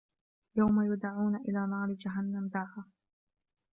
يَوْمَ يُدَعُّونَ إِلَى نَارِ جَهَنَّمَ دَعًّا